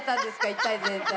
一体全体。